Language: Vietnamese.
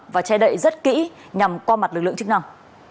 và che đậy rất kỹ nhằm qua mặt lực lượng chức năng